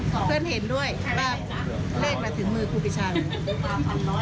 ขอดูเพื่อนเห็นด้วยว่าเลขมาถึงมือครูปิชา